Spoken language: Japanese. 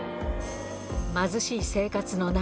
貧しい生活の中、